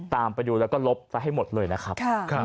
ตามไปดูแล้วก็ลบซะให้หมดเลยนะครับ